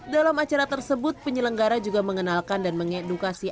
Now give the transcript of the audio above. dalam acara tersebut penyelenggara juga mengenalkan dan mengedukasi